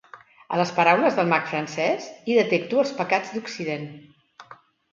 A les paraules del mag francès hi detecto els pecats d'Occident.